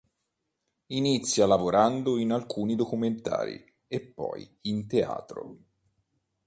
Inizia lavorando in alcuni documentari e poi in teatro.